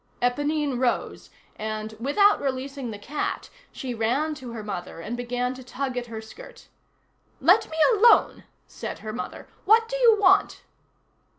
Éponine rose, and, without releasing the cat, she ran to her mother, and began to tug at her skirt. "Let me alone!" said her mother; "what do you want?"